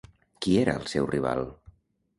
Qui era el seu rival?